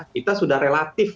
kita sudah relatif